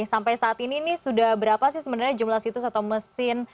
sampai saat ini ini sudah berapa sih sebenarnya jumlah situs atau mesin